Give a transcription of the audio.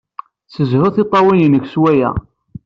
Ssezhu tiṭṭawin-nnek s waya.